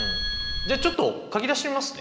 じゃあちょっと書き出してみますね。